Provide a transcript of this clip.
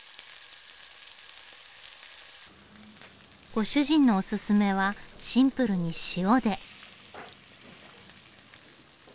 ご主人のオススメはシンプルに塩で。